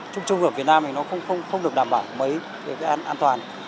trung trung ở việt nam thì nó không được đảm bảo mấy an toàn